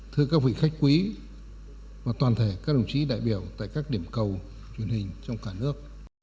thưa các vị khách quý và toàn thể các đồng chí đại biểu tại các điểm cầu truyền hình trong cả nước